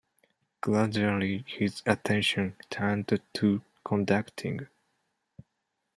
Gradually his attention turned to conducting.